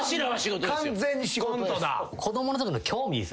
完全に仕事です。